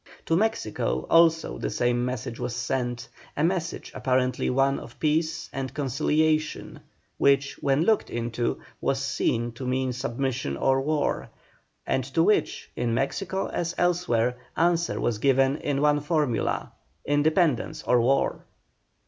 To Mexico also the same message was sent, a message apparently one of peace and conciliation, which, when looked into, was seen to mean submission or war, and to which, in Mexico as elsewhere, answer was given in one formula, independence or war.